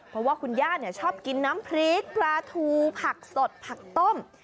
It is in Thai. เพราะว่าคุณย่าชอบกินน้ำพริกปลาทูผักสดผักต้ม